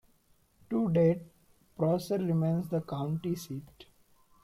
To date, Prosser remains the county seat.